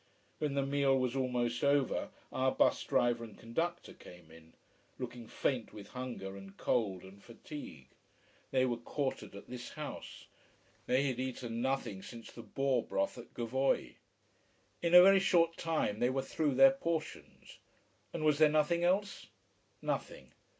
When the meal was almost over our bus driver and conductor came in looking faint with hunger and cold and fatigue. They were quartered at this house. They had eaten nothing since the boar broth at Gavoi. In a very short time they were through their portions: and was there nothing else? Nothing!